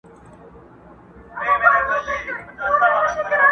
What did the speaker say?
غریب سړی پر لاري تلم ودي ویشتمه.!